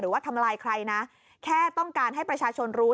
ว่าทำลายใครนะแค่ต้องการให้ประชาชนรู้